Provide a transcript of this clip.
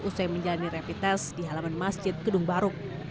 usai menjalani rapid test di halaman masjid gedung baruk